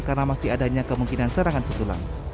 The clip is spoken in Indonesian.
karena masih adanya kemungkinan serangan susulan